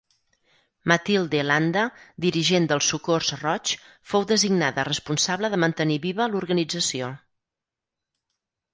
Matilde Landa, dirigent del Socors Roig, fou designada responsable de mantenir viva l'organització.